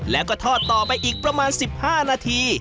แล้วก็ทอดต่อไปอีกประมาณ๑๕นาที